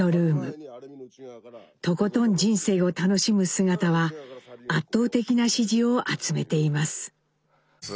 とことん人生を楽しむ姿は圧倒的な支持を集めています。